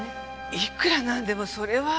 いくらなんでもそれは。